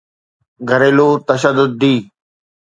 گھريلو تشدد ڊي